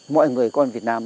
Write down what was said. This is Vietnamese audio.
mọi người con việt nam